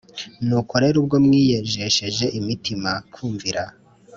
Nuko rero ubwo mwiyejesheje imitima kumvira